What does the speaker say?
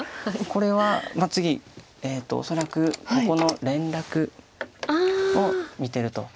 これは次恐らくここの連絡を見てると。